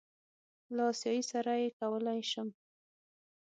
له آسیایي سره یې کولی شم.